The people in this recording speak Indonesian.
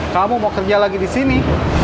kamu mau kerja lagi disini